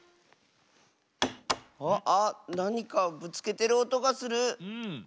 あっなにかぶつけてるおとがする。